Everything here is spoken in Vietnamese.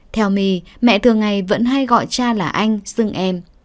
theo my mẹ thường ngày vẫn hay gọi cha là anh xưng em